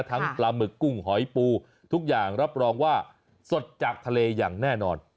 ปลาหมึกกุ้งหอยปูทุกอย่างรับรองว่าสดจากทะเลอย่างแน่นอน